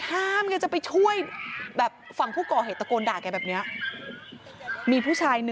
แกจะไปช่วยแบบฝั่งผู้ก่อเหตุตะโกนด่าแกแบบนี้มีผู้ชาย๑